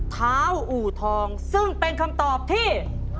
เท้าอู่ทองซึ่งเป็นคำตอบที่